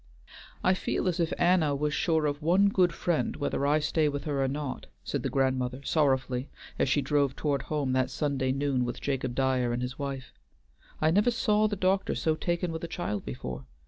"I feel as if Anna was sure of one good friend, whether I stay with her or not," said the grandmother sorrowfully, as she drove toward home that Sunday noon with Jacob Dyer and his wife. "I never saw the doctor so taken with a child before.